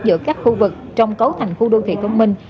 giữa các khu vực trong cấu thành phố đô thị công minh